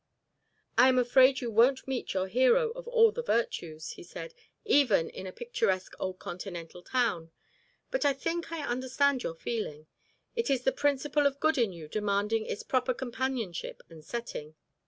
"I am afraid you won't meet your hero of all the virtues," he said, "even in a picturesque old continental town. But I think I understand your feeling. It is the principle of good in you demanding its proper companionship and setting."